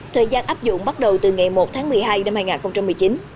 thời gian áp dụng bắt đầu từ ngày một tháng một mươi hai năm hai nghìn một mươi chín